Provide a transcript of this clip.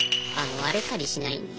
荒れたりしないんで。